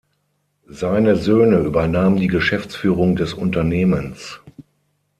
Seine Söhne übernahmen die Geschäftsführung des Unternehmens.